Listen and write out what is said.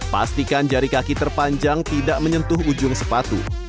pastikan jari kaki terpanjang tidak menyentuh ujung sepatu